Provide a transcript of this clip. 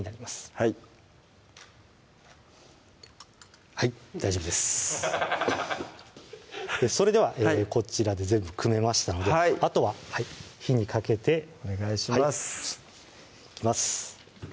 はいはい大丈夫ですそれではこちらで全部組めましたのであとは火にかけてお願いしますいきます